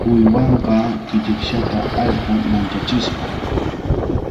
Uywanqaa killikshata allqu manchachishqa.